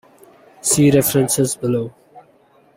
See References below.